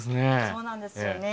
そうなんですよね。